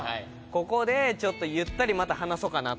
ここでちょっとゆったりまた話そうかなと。